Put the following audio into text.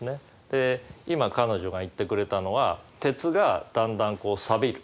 で今彼女が言ってくれたのは鉄がだんだんさびる。